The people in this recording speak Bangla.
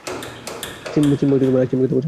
সিম্বা আইসক্রিম খেতে পছন্দ করে!